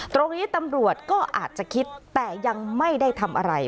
ตรงนี้ตำรวจก็อาจจะคิดแต่ยังไม่ได้ทำอะไร